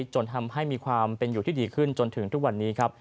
จนทำให้มีความเป็นอยู่ที่ดีขึ้นจนถึงทุกวันนี้ครับ